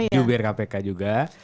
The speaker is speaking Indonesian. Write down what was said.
jubir kpk juga